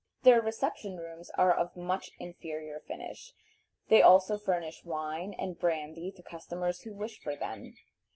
Their reception rooms are of much inferior finish. They also furnish wine and brandy to customers who wish for them.